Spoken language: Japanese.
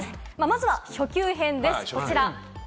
まずは初級編ですこちら。